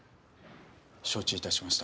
承知致しました。